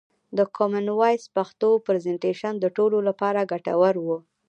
د کومن وایس پښتو پرزنټیشن د ټولو لپاره ګټور و.